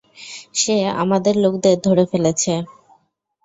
সে আমাদের লোকদের ধরে ফেলেছে!